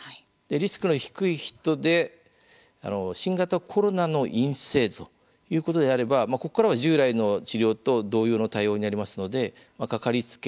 リスクの低い人で新型コロナの陰性ということであればここからは従来の治療と同様の対応になりますので掛かりつけ